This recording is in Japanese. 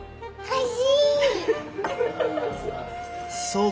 はい。